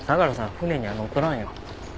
船には乗っとらんよ。